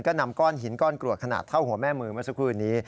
ก็นำก้อนหินก้อนกรวดขนาดเท่าหัวแม่มือเมื่อสักครู่นี้